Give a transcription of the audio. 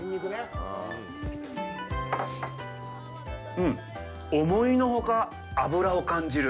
うん、思いのほか、脂を感じる。